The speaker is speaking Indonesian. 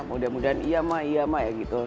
mudah mudahan iya mbak iya mbak ya gitu